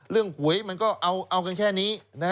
เรื่องก่วยมันก็เอากันแค่นี้